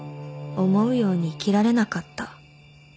思うように生きられなかった」